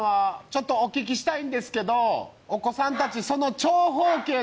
ちょっとお聞きしたいんですけどお子さんたちその。